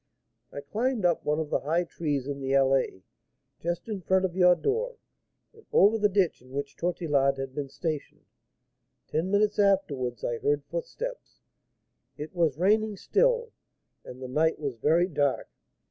I climbed up one of the high trees in the Allée, just in front of your door, and over the ditch in which Tortillard had been stationed. Ten minutes afterwards I heard footsteps; it was raining still, and the night was very dark.